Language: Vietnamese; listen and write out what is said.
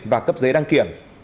và cấp giấy đăng kiểm